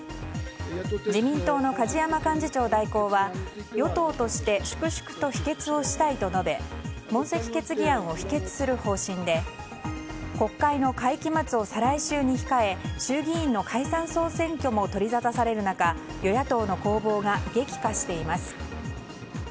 自民党の梶山幹事長代行は与党として粛々と否決をしたいと述べ問責決議案を否決する方針で国会の会期末を再来週に控え衆議院の解散・総選挙も取りざたされる中与野党の攻防が激化しています。